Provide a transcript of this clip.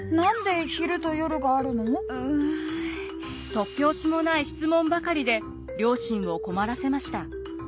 突拍子もない質問ばかりで両親を困らせました。